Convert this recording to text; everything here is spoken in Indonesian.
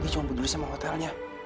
dia cuma peduli sama hotelnya